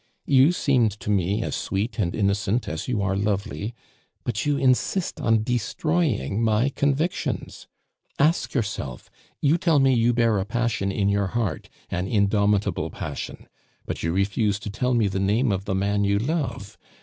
You seemed to me as sweet and innocent as you are lovely; but you insist on destroying my convictions. Ask yourself! You tell me you bear a passion in your heart, an indomitable passion, but you refuse to tell me the name of the man you love.